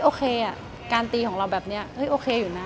โอเคการตีของเราแบบนี้โอเคอยู่นะ